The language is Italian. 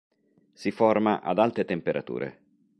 Si forma ad alte temperature.